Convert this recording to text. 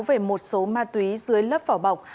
về một số ma túy dưới lớp phỏ bọc